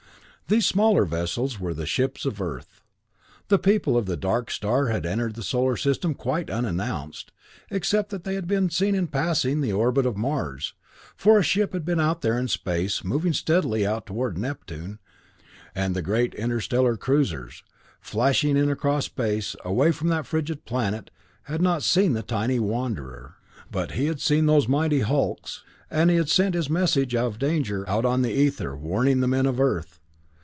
These smaller vessels were the ships of Earth. The people of the dark star had entered the solar system quite unannounced, except that they had been seen in passing the orbit of Mars, for a ship had been out there in space, moving steadily out toward Neptune, and the great interstellar cruisers, flashing in across space, away from that frigid planet, had not seen the tiny wanderer. But he had seen those mighty hulks, and had sent his message of danger out on the ether, warning the men of Earth.